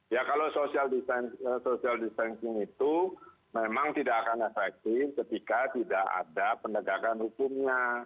ya kalau social distancing itu memang tidak akan efektif ketika tidak ada penegakan hukumnya